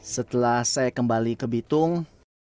setelah saya kembali ke bitung